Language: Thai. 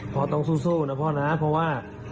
พ่อต้องสู้นะพ่อนะเพราะว่า